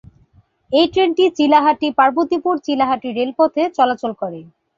এই ট্রেনটি চিলাহাটি-পার্বতীপুর-চিলাহাটি রেলপথে চলাচল করে।